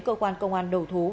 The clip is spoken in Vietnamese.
cơ quan công an đầu thú